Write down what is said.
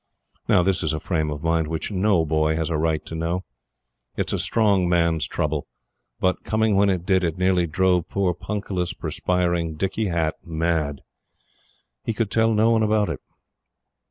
Now this is a frame of mind which no boy has a right to know. It is a strong man's trouble; but, coming when it did, it nearly drove poor punkah less, perspiring Dicky Hatt mad. He could tell no one about it.